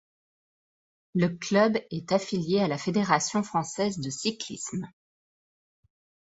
Le club est affilié à la Fédération française de cyclisme.